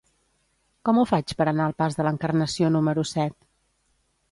Com ho faig per anar al pas de l'Encarnació número set?